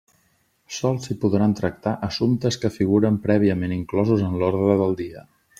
Sols s'hi podran tractar assumptes que figuren prèviament inclosos en l'ordre del dia.